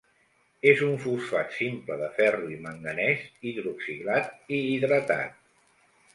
És un fosfat simple de ferro i manganès, hidroxilat i hidratat.